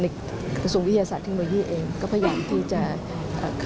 นิกสินคมสรุขวิทยาศาสตร์เทคโนโลยีเองก็พยายามที่จะเอ่อ